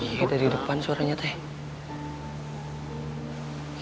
mungkin dari depan suaranya teh